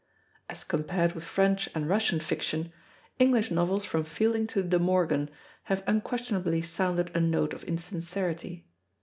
As compared with French and Russian fiction, English novels from Fielding to De Morgan have unquestionably sounded a note of insincerity.